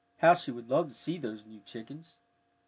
How she would love to see those new chickens!